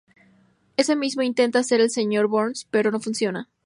Eso mismo intenta hacer el Sr. Burns, pero no funciona.